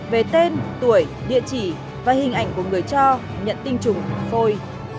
về tên tuổi địa chỉ và hình ảnh của người cho nhận tinh trùng phôi